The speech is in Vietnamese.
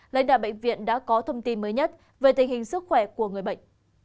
lãnh đạo bệnh viện đã có thông tin mới nhất về tình hình sức khỏe của người bệnh